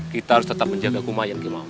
kita harus tetap menjaga kumayan gimana